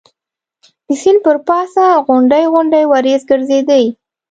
د سیند پر پاسه غونډۍ غونډۍ وریځ ګرځېدې.